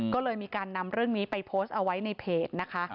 ก็เลยมีการนำเรื่องนี้ไปโพสต์เอาไว้ในเพจนะคะ